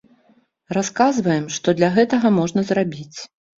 Расказваем, што для гэтага можна зрабіць.